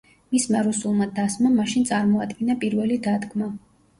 მისმა რუსულმა დასმა მაშინ წარმოადგინა პირველი დადგმა.